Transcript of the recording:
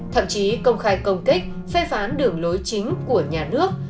thậm chí công khai công kích phê phán đường lối chính của nhà nước